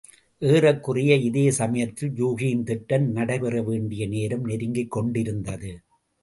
ஏறக்குறைய இதே சமயத்தில் யூகியின் திட்டம் நடைபெற வேண்டிய நேரம் நெருங்கிக் கொண்டிருந்தது.